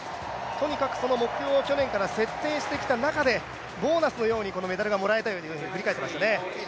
とにかくその目標を去年から設定してきた中で、ボーナスのようにこのメダルがもらえたと繰り返していましたね。